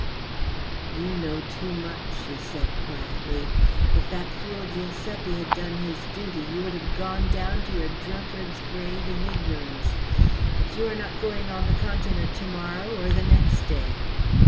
"You know too much," she said quietly. "If that fool Giuseppe had done his duty you would have gone down to your drunkard's grave in ignorance. But you are not going on the Continent tomorrow or the next day.